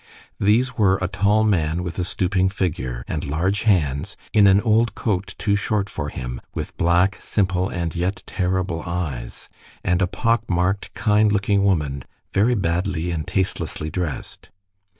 These were a tall man with a stooping figure, and huge hands, in an old coat too short for him, with black, simple, and yet terrible eyes, and a pockmarked, kind looking woman, very badly and tastelessly dressed.